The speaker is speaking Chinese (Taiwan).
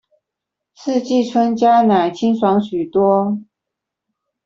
四季春加奶清爽許多